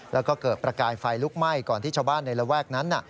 แล้วก็เกิดประกายไฟลุกไหม้ก่อนที่ชาวบ้านในระแวกนั้น